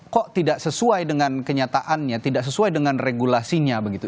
kok tidak sesuai dengan kenyataannya tidak sesuai dengan regulasinya begitu